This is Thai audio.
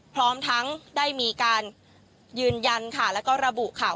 พร้อมทั้งได้มีการยืนยันค่ะแล้วก็ระบุค่ะ